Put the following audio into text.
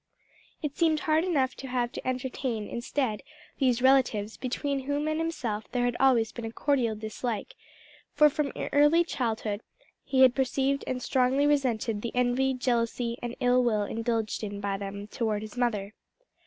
It seemed hard enough to have to entertain, instead, these relatives, between whom and himself there had always been a cordial dislike; for from early childhood he had perceived and strongly resented the envy, jealousy and ill will indulged in by them toward his mother.